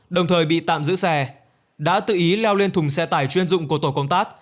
đồng thời bị tạm giữ xe đã tự ý leo lên thùng xe tải chuyên dụng của tổ công tác